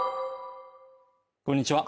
こんにちは